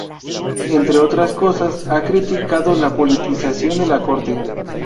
Entre otras cosas, se ha criticado la politización de la Corte.